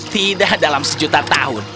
tidak dalam sejuta tahun